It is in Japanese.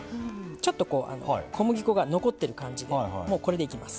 ちょっとこう小麦粉が残ってる感じでもうこれでいきます。